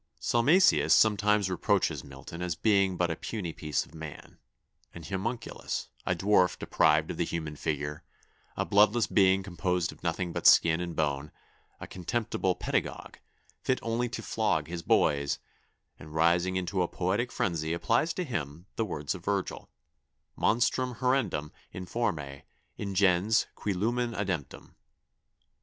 ] "Salmasius sometimes reproaches Milton as being but a puny piece of man, an homunculus, a dwarf deprived of the human figure, a bloodless being composed of nothing but skin and bone, a contemptible pedagogue, fit only to flog his boys; and rising into a poetic frenzy applies to him the words of Virgil: '_Monstrum horrendum, informe, ingens, cui lumen ademptum.